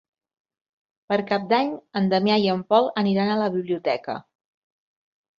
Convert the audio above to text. Per Cap d'Any en Damià i en Pol aniran a la biblioteca.